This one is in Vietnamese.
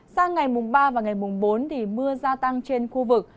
sang ngày mùng ba và ngày mùng bốn mưa gia tăng trên khu vực